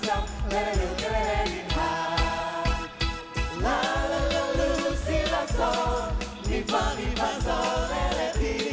aku terlalu sayang ganti